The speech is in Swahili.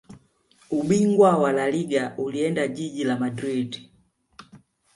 Ubingwa wa laliga ulienda jiji la madrid